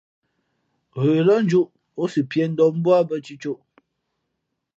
Ghə lά njūʼ, ǒ si piē ndαα mbú ā bᾱ cʉ̌côʼ.